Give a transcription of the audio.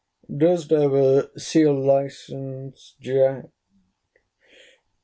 Durst ever see a license, Jack?